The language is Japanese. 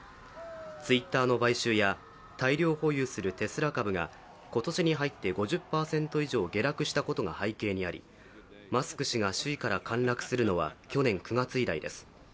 Ｔｗｉｔｔｅｒの買収や大量保有するテスラ株が今年に入って５０％以上下落したことが背景にあり、マスク氏が首位から陥落するのは去年９月以来です。